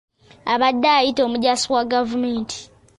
Abadde yeeyita omujaasi wa gavumenti.